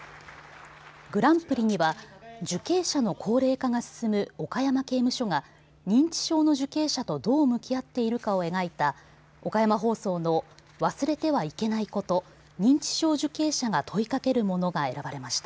グランプリには受刑者の高齢化が進む岡山刑務所が認知症の受刑者とどう向き合っているかを描いた岡山放送の「忘れてはいけないこと認知症受刑者が問いかけるもの」が選ばれました。